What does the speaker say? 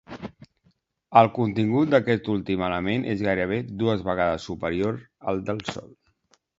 El contingut d'aquest últim element és gairebé deu vegades superior al del Sol.